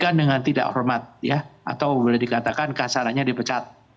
bukan dengan tidak hormat ya atau boleh dikatakan kasarannya dipecat